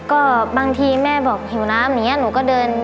อ๋อก็บางทีแม่บอกเหี่ยวน้ำอย่างงี้อ่ะหนูก็เดิน